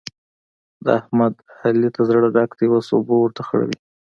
د احمد؛ علي ته زړه ډک دی اوس اوبه ورته خړوي.